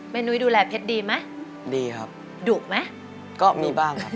นุ้ยดูแลเพชรดีไหมดีครับดุไหมก็มีบ้างครับ